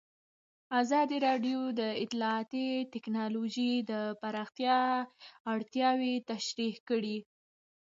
ازادي راډیو د اطلاعاتی تکنالوژي د پراختیا اړتیاوې تشریح کړي.